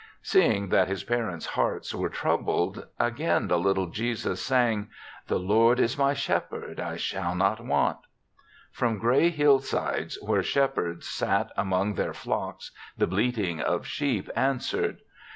Seeing that his parents' hearts were troubled, again the little Jesus sang, "The Lord is my shepherd; I shall not want." From gray hillsides, where shepherds sat among their 14 THE SEVENTH CHRISTMAS flocks, the bleating of sheep an swered.